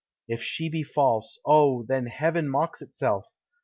"If she be false, O, then heaven mocks itself!